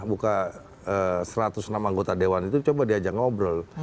buka satu ratus enam anggota dewan itu coba diajak ngobrol